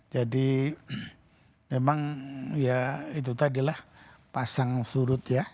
jadi memang ya itu tadilah pasang surut ya